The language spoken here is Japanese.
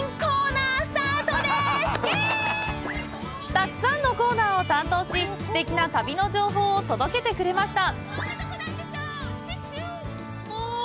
たくさんのコーナーを担当し、すてきな旅の情報を届けてくれました。